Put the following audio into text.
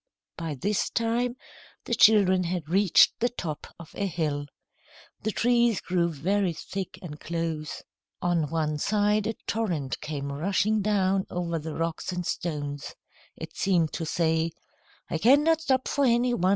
By this time, the children had reached the top of a hill. The trees grew very thick and close. On one side a torrent came rushing down over the rocks and stones. It seemed to say: "I cannot stop for any one.